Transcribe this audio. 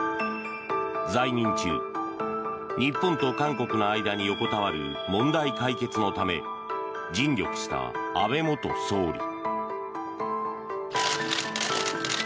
在任中日本と韓国の間に横たわる問題解決のため尽力した安倍元総理。